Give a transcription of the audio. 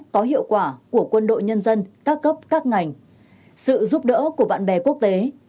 có hiệu quả của quân đội nhân dân các cấp các ngành sự giúp đỡ của bạn bè quốc tế